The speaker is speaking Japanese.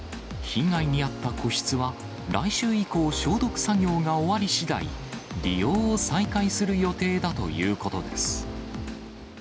被害に遭った個室は、来週以降、消毒作業が終わりしだい、利用を再開する予定だということです。